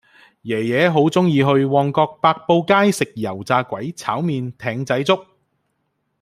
爺爺好鍾意去旺角白布街食油炸鬼炒麵艇仔粥